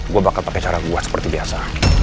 gue bakal pakai cara buat seperti biasa